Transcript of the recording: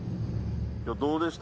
今日どうでした？